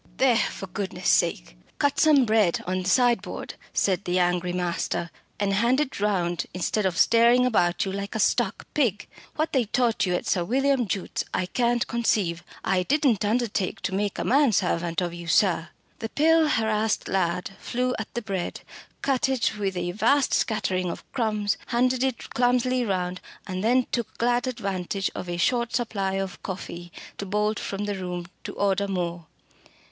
"There, for goodness' sake, cut some bread on the sideboard," said the angry master, "and hand it round instead of staring about you like a stuck pig. What they taught you at Sir William Jute's I can't conceive. I didn't undertake to make a man servant of you, sir." The pale, harassed lad flew at the bread, cut it with a vast scattering of crumbs, handed it clumsily round, and then took glad advantage of a short supply of coffee to bolt from the room to order more.